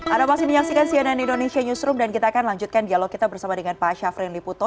anda masih menyaksikan cnn indonesia newsroom dan kita akan lanjutkan dialog kita bersama dengan pak syafrin liputo